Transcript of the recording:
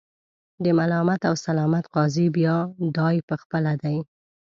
د ملامت او سلامت قاضي بیا دای په خپله دی.